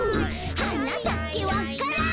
「はなさけわか蘭」